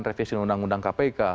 revisi undang undang kpk